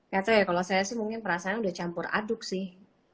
ya kalau saya sih mungkin perasaan udah campur aduk sih